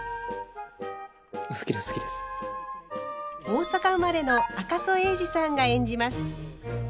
大阪生まれの赤楚衛二さんが演じます。